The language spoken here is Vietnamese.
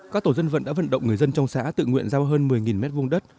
các tổ dân vận đã vận động người dân trong xã tự nguyện giao hơn một mươi m hai đất